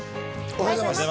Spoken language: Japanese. おはようございます。